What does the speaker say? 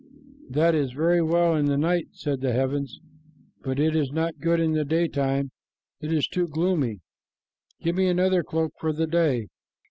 "That is very well in the night," said the heavens, "but it is not good in the daytime, it is too gloomy. Give me another cloak for the day."